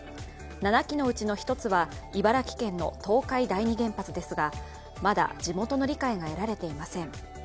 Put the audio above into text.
７基のうちの１つは茨城県の東海第二原発ですがまだ地元の理解が得られていません。